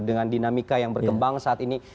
dengan dinamika yang berkembang saat ini